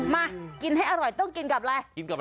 มากินให้อร่อยต้องกินกับอะไร